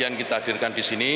untuk mendekati ini